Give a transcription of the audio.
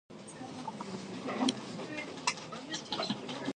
Those two songs are now Zombie Apocalypse songs.